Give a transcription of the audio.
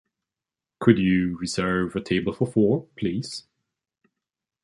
Could you reserve a table for four, please?